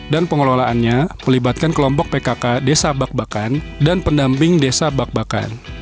dan pengelolaannya melibatkan kelompok pkk desa bak bakan dan pendamping desa bak bakan